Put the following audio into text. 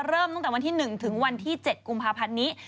เริ่มตั้งแต่วันที่๑ถึงวันที่๗กุมภาพันธ์นี้